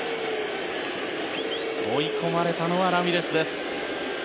追い込まれたのはラミレスです。